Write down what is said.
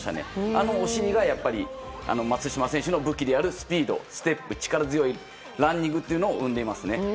あのお尻がやっぱり松島選手の武器であるスピードステップ、力強いランニングというのを生んでいます。